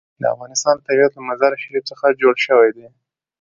د افغانستان طبیعت له مزارشریف څخه جوړ شوی دی.